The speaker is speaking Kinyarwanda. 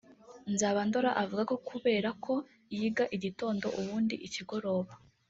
Nzabandora avuga ko kubera ko yiga igitondo ubundi ikigoroba